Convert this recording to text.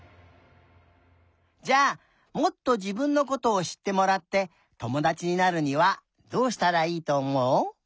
じゃあもっとじぶんのことをしってもらってともだちになるにはどうしたらいいとおもう？